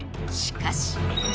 しかし。